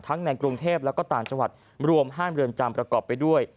ในกรุงเทพและก็ต่างจังหวัดรวม๕เรือนจำประกอบไปด้วย